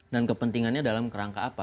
dan kepentingannya dalam kerangka apa